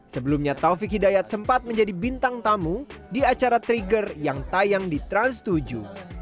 sebelumnya taufik hidayat sempat menjadi bintang tamu di acara trigger yang tayang di trans tujuh